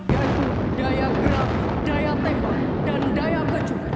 yaitu daya gerak daya tembak dan daya baju